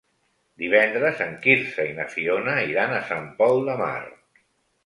Divendres en Quirze i na Fiona iran a Sant Pol de Mar.